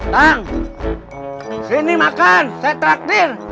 bang sini makan saya traktir